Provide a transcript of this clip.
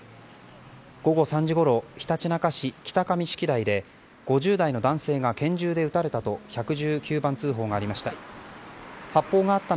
午後３時ごろひたちなか市北神敷台で５０代の男性が拳銃で撃たれたと１１９番通報がありました。